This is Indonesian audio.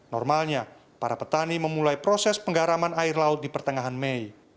normalnya para petani memulai proses penggaraman air laut di pertengahan mei